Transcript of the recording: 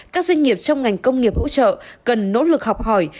các doanh nghiệp trong ngành công nghiệp hỗ trợ cần nỗ lực học hỏi